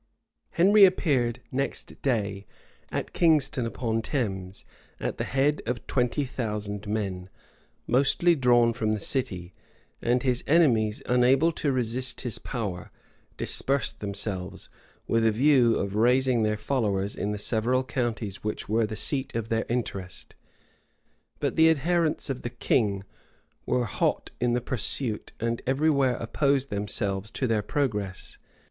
* Walsing. p. 362. Otterborne. p. 224. Henry appeared, next day, at Kingston upon Thames, at the head of twenty thousand men, mostly drawn from the city; and his enemies, unable to resist his power, dispersed themselves, with a view of raising their followers in the several counties which were the seat of their interest. But the adherents of the king were hot in the pursuit, and every where opposed themselves to their progress.